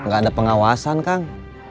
gak ada pengawasan kang